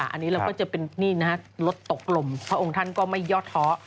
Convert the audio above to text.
อันนี้เราก็จะเป็นรถตกลมพระองค์ทันก็ไม่ยอดท้อ